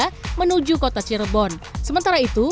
sementara itu di kota cirebon ada pengecasan yang berbeda beda